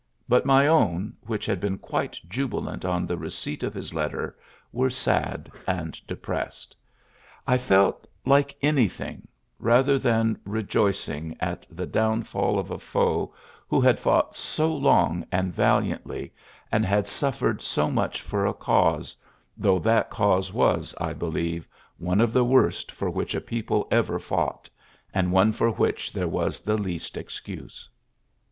But my own, which had been quite jubilant on the receipt of his letter, were sad and depressed. I felt like anything rather than rejoicing at the downfall of a foe who had fought so I ULYSSES S. GEANT 127 long and valiantly^ and had suffered so mucli for a cause^ though that cause wbs^ I believe, one of the worst for which a people ever fought, and one for which there was the least excuse.''